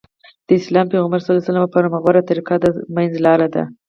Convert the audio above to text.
د اسلام پيغمبر ص وفرمايل غوره طريقه د منځ لاره ده.